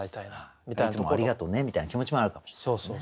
「いつもありがとうね」みたいな気持ちもあるかもしれませんね。